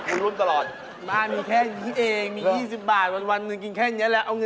ถุงละ๒๐สุดน่าล้านเย็นน่าล้านเท็จชาวนี่